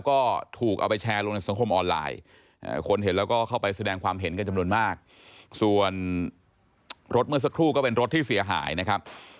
รถเมื่อสักครู่ก็เป็นรถที่เสียหายนะครับ